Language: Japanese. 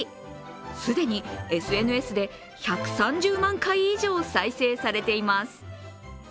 既にＳＮＳで１３０万回以上再生されています。